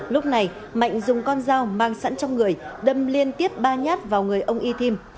lúc này mạnh dùng con dao mang sẵn trong người đâm liên tiếp ba nhát vào người ông y thim